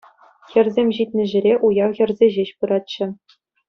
Хӗрсем ҫитнӗ ҫӗре уяв хӗрсе ҫеҫ пыратчӗ.